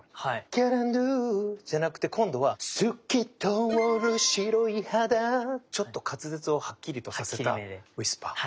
ギャランドゥじゃなくて今度は透き通る白い肌ちょっと滑舌をハッキリとさせたウィスパー。